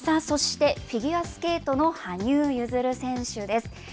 そして、フィギュアスケートの羽生結弦選手です。